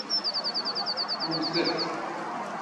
Wwtet!